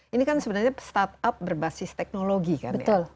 ini kan sebenarnya startup berbasis teknologi kan ya